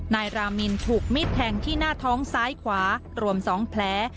นายรามินถูกมิดแทงที่หน้าท้องซ้ายขวารวม๒แผล